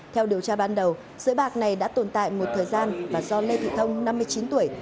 theo điều tra ban đầu sới bạc này đã tồn tại một thời gian và do lê thị thông năm mươi chín tuổi